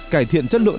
kể thiện chất lượng